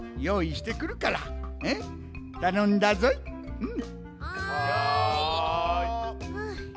うん。